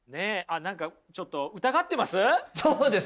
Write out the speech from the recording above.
何かちょっと疑ってます？